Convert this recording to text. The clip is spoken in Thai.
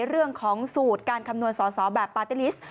เรื่องของสูตรการคำนวณสอสอแบบปาร์ตี้ลิสต์